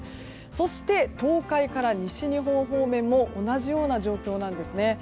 そして東海から西日本方面も同じような状況なんですね。